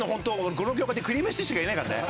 この業界でくりぃむしちゅーしかいないからね！